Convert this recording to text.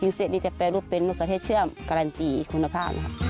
ยูเซตนี้จะแปรรูปเป็นนกเศรษฐ์เชื่อมการันตีคุณภาพ